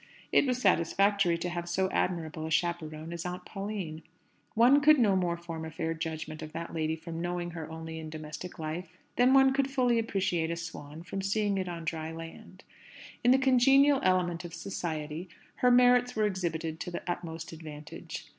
It was satisfactory to have so admirable a chaperon as Aunt Pauline. One could no more form a fair judgment of that lady from knowing her only in domestic life, than one could fully appreciate a swan from seeing it on dry land. In the congenial element of "society," her merits were exhibited to the utmost advantage.